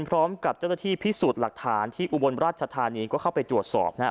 พร้อมกับเจ้าหน้าที่พิสูจน์หลักฐานที่อุบลราชธานีก็เข้าไปตรวจสอบนะครับ